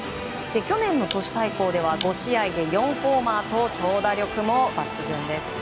去年の都市対抗では５試合で４ホーマーと長打力も抜群です。